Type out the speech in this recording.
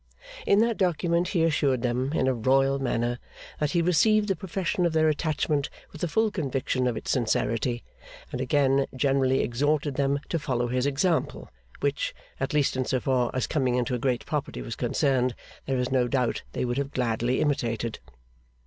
In that document he assured them, in a Royal manner, that he received the profession of their attachment with a full conviction of its sincerity; and again generally exhorted them to follow his example which, at least in so far as coming into a great property was concerned, there is no doubt they would have gladly imitated.